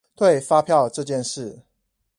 對發票這件事